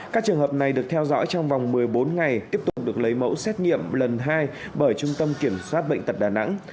các trường hợp này được theo dõi trong vòng một mươi bốn ngày tiếp tục được lấy mẫu xét nghiệm lần hai bởi trung tâm kiểm soát bệnh tật đà nẵng